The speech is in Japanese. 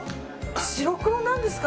白黒なんですか？